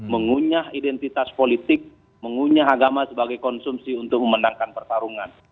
mengunyah identitas politik mengunyah agama sebagai konsumsi untuk memenangkan pertarungan